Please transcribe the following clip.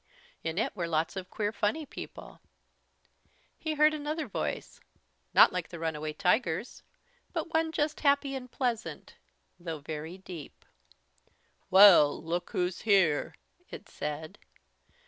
In it were lots of queer funny people. He heard another voice, not like the runaway tiger's, but one just happy and pleasant, though very deep. "Well, look who's here!" it said.